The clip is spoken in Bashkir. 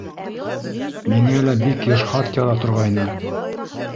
Миңә лә бик йыш хат яҙа торғайны.